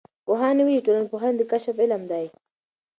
پوهانو ویلي چې ټولنپوهنه د کشف علم دی.